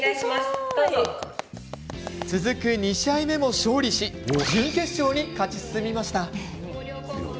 続く２試合目も勝利し準決勝に勝ち進みました。